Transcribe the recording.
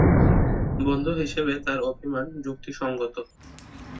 বন্ধু হিসেবে তার অভিমান যুক্তিসংগত।